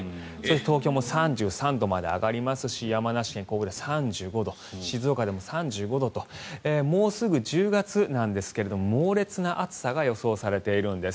東京も３３度まで上がりますし山梨県甲府で３５度静岡でも３５度ともうすぐ１０月なんですが猛烈な暑さが予想されているんです。